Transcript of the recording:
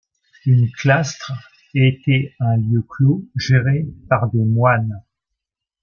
Une clastre était un lieu clôt, géré par des moines.